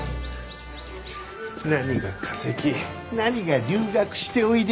なにが化石なにが留学しておいで。